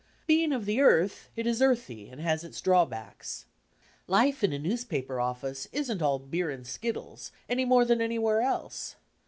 Be ing of the earth, it is earthy, and has its drawbacks. Life in a newspaper office isn't all 'beer and skinles' any more than anywhere else.